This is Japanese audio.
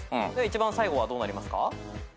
一番最後はどうなりますか？